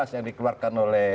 yang dikeluarkan oleh